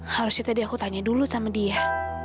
harusnya tadi aku tanya dulu sama dia